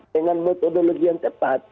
dengan metodologi yang tepat